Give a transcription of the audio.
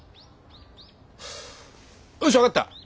よし分かった。